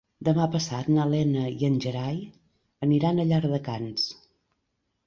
Demà passat na Lena i en Gerai aniran a Llardecans.